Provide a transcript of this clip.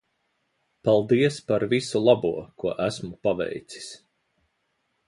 Paldies par visu labo ko esmu paveicis.